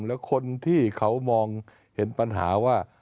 แล้วคนที่เขามองเห็นปัญหาว่า